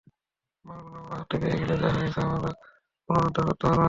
মালগুলো আমরা হাতে পেয়ে গেলে যা হারিয়েছে তা আমরা পুনরুদ্ধার করতে পারব।